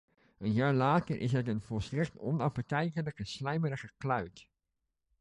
Een jaar later is het een volstrekt onappetijtelijke slijmerige kluit.